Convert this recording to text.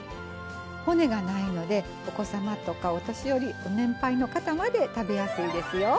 骨がないのでお子様とかお年寄りご年配の方まで食べやすいですよ。